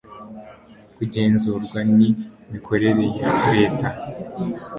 kugenzurwa ni mikorere ya reta